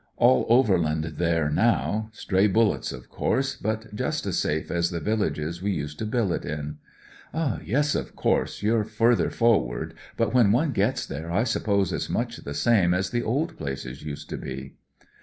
All overland there now— stray bullets, of course ; but just as safe as the villages we used to billet in." " Yes, of course, you're further forward, but when one gets there I suppose it's much the same as the old places used tobe?"